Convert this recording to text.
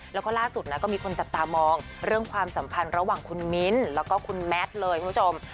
แล้วก็ล่าสุดนะก็มีคนจับตามองเรื่องความสัมพันธ์ระหว่างคุณมิ้นแล้วก็คุณแมทเลยคุณผู้ชม